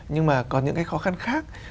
nhưng mà còn những cái khó khăn khác